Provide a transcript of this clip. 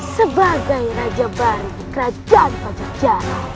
sebagai raja baru kerajaan pajak jalan